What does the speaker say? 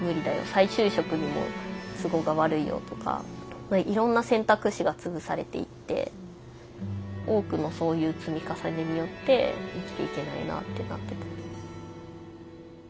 再就職にも都合が悪いよとかいろんな選択肢が潰されていって多くのそういう積み重ねによって生きていけないなってなってた。